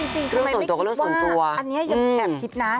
ทำไมไม่คิดว่าอันนี้ยังแอบคิดนะ